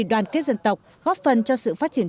đoàn kết dân tộc góp phần cho sự phát triển